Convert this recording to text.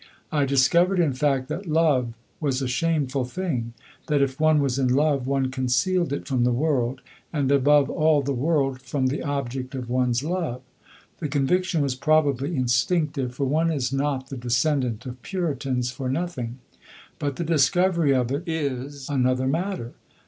I discovered, in fact, that love was a shameful thing, that if one was in love one concealed it from the world, and, above all the world, from the object of one's love. The conviction was probably instinctive, for one is not the descendant of puritans for nothing; but the discovery of it is another matter.